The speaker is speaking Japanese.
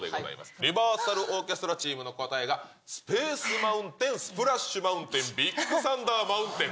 リバーサルオーケストラチームの答えが、スペース・マウンテン、スプラッシュ・マウンテン、ビッグサンダーマウンテン。